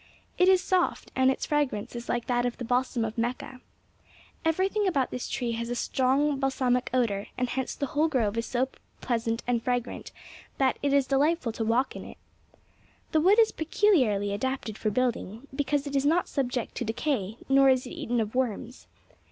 It is soft, and its fragrance is like that of the balsam of Mecca. 'Everything about this tree has a strong balsamic odor, and hence the whole grove is so pleasant and fragrant that it is delightful to walk in it. The wood is peculiarly adapted for building, because it is not subject to decay, nor is it eaten of worms.